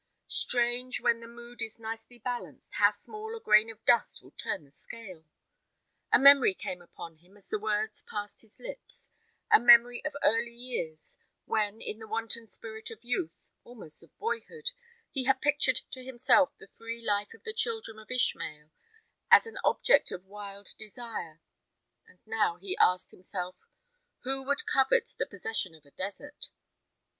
Strange, when the mood is nicely balanced, how small a grain of dust will turn the scale! A memory came upon him as the words passed his lips, a memory of early years, when, in the wanton spirit of youth, almost of boyhood, he had pictured to himself the free life of the children of Ishmael as an object of wild desire; and now he asked himself, "Who would covet the possession of a desert?"